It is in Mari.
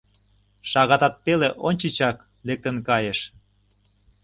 — Шагатат пеле ончычак лектын кайыш.